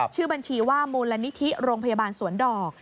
ชื่อบัญชีว่ามูลนิธิโรงพยาบาลสวนดอก